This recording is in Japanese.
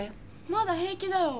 まだ平気だよ。